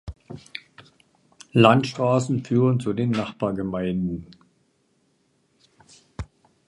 Landstraßen führen zu den Nachbargemeinden.